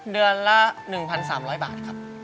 เดือนละ๑๓๐๐บาทครับ